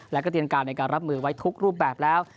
และก็เตรียมการในการรับมือไว้ทุกรูปแบบแล้ว